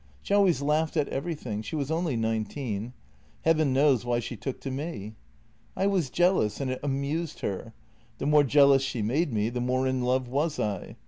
She always laughed at everything — she was only nine teen. Heaven knows why she took to me. " I was jealous, and it amused her. The more jealous she made me, the more in love was I.